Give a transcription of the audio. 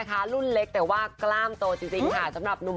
ขอพูดให้ชัด